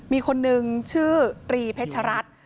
มีคนนึงชื่อตรีเพชรัตน์